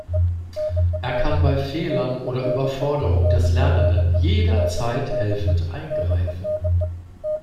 Er kann bei Fehlern oder Überforderung des Lernenden jederzeit helfend eingreifen.